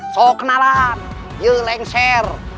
soal kenalan yelengser